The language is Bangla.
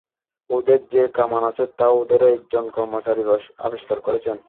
ওদের যে কামান আছে, তা ওদেরই একজন কর্মচারী আবিষ্কার করেছেন।